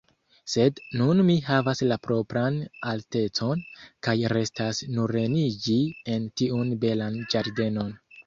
Sed nun mi havas la propran altecon, kaj restas nureniĝi en tiun belan ĝardenon.